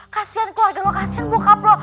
kasihan keluarga lo kasihan bokap lo